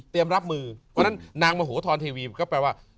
เตรียมรับมือเพราะฉะนั้นนางมโมโฮทรทีวีก็แปลว่า